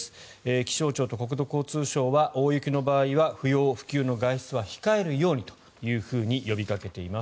気象庁と国土交通省は大雪の場合は不要不急の外出は控えるようにと呼びかけています。